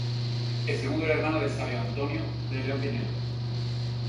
El segundo era hermano del sabio Antonio de León Pinelo.